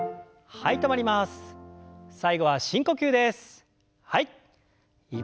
はい。